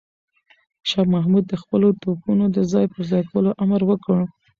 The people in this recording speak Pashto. شاه محمود د خپلو توپونو د ځای پر ځای کولو امر وکړ.